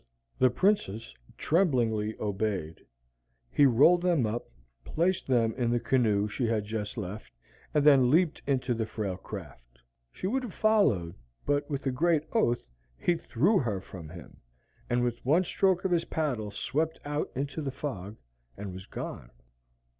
The Princess tremblingly obeyed. He rolled them up, placed them in the canoe she had just left, and then leaped into the frail craft. She would have followed, but with a great oath he threw her from him, and with one stroke of his paddle swept out into the fog, and was gone.